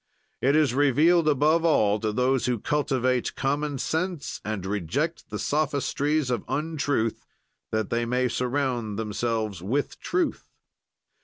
"It is revealed above all to those who cultivate common sense and reject the sophistries of untruth that they may surround themselves with truth.